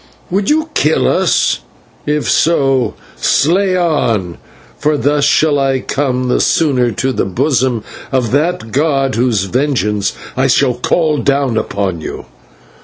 "Would you kill us? If so, slay on, for thus shall I come the sooner to the bosom of that god whose vengeance I call down upon you."